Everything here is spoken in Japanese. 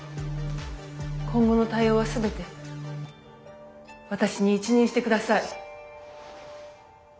今後の対応は全て私に一任して下さい。